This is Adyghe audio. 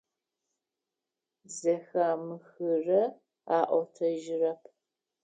Зэхамыхырэ аӏотэжьырэп.